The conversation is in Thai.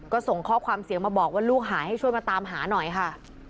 ก็ส่งข้อความเสียงมาบอกว่าลูกหายให้ช่วยมาตามหาหน่อยค่ะ